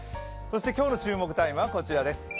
今日の注目タイムはこちらです。